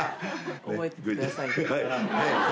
覚えててくださいね。